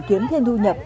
kiếm thêm thu nhập